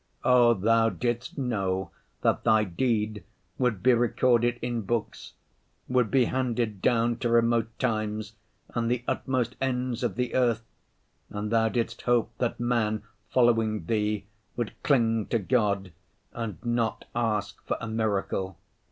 Oh, Thou didst know that Thy deed would be recorded in books, would be handed down to remote times and the utmost ends of the earth, and Thou didst hope that man, following Thee, would cling to God and not ask for a miracle.